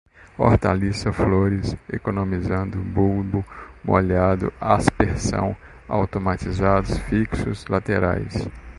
hortaliças, flores, economizando, bulbo molhado, aspersão, automatizados, fixos, laterais